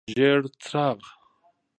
ژیړ څراغ: